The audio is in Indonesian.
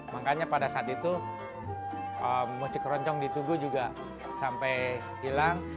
makanya pada saat itu musik keroncong di tugu juga sampai hilang